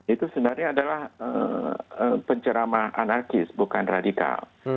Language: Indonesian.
itu sebenarnya adalah penceramah anarkis bukan radikal